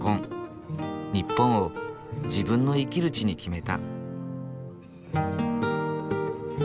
日本を自分の生きる地に決めた。